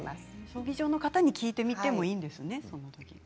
葬儀場の方に聞いてみてもいいんですね。